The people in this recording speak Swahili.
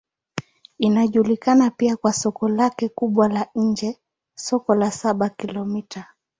Inajulikana pia kwa soko lake kubwa la nje, Soko la Saba-Kilomita.